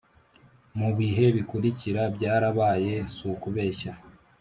mu bihe bikurikira byarabaye sukubeshya